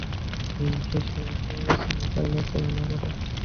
সিংহের সহিত শৃগালের তুলনা কর।